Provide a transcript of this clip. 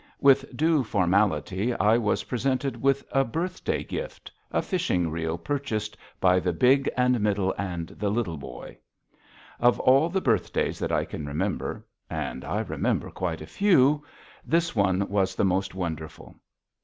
With due formality I was presented with a birthday gift, a fishing reel purchased by the Big and the Middle and the Little Boy. Of all the birthdays that I can remember and I remember quite a few this one was the most wonderful.